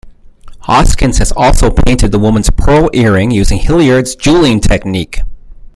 Hoskins has also painted the woman's pearl earring using Hilliard's jewelling technique.